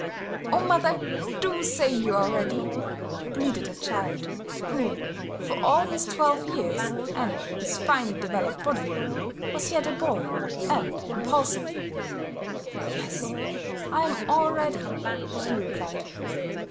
"Oh, mother, do say you are ready," pleaded the child, who, for all his twelve years, and his finely developed body, was yet a boy, and impulsive. "Yes, I'm all ready," she replied.